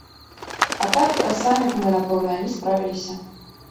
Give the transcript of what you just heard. А так, самі б мы, напэўна, не справіліся.